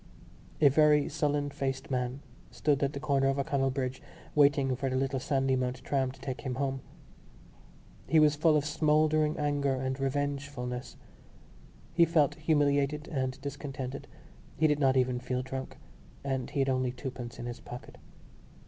A very sullen faced man stood at the corner of O'Connell Bridge waiting for the little Sandymount tram to take him home. He was full of smouldering anger and revengefulness. He felt humiliated and discontented; he did not even feel drunk; and he had only twopence in his pocket.